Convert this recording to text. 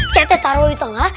cetet taruh itu ngah